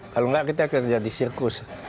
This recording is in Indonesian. kalau enggak kita kerja di sirkus